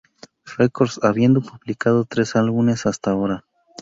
Records, habiendo publicado tres álbumes hasta ahora.